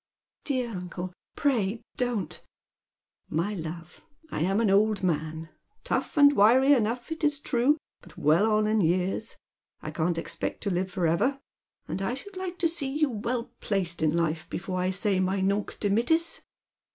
" Dear uncle, pray don't "" My love, I'm an old man, — tough and wiry enough, it is true, but well on in years. I can't expect to live for ever. And I should like to see you weU placed in life before I say my nunc dimittis."